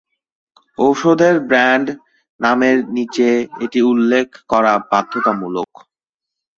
ঔষধের ব্র্যান্ড নামের নিচে এটি উল্লেখ করা বাধ্যতামূলক।